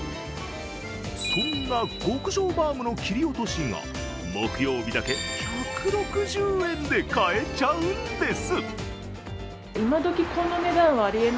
そんな極上バウムの切り落としが木曜日だけ１６０円で買えちゃうんです。